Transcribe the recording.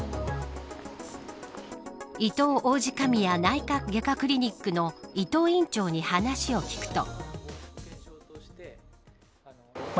いとう王子神谷内科外科クリニックの伊藤院長に話を聞くと。